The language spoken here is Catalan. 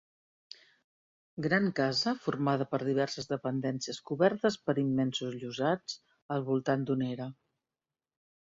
Gran casa formada per diverses dependències cobertes per immensos llosats, al voltant d'una era.